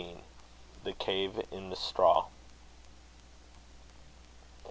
THE CAVE IN THE STRAW.